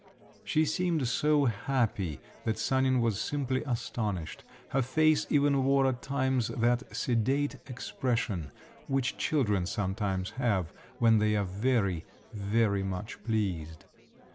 She seemed so happy that Sanin was simply astonished; her face even wore at times that sedate expression which children sometimes have when they are very … very much pleased.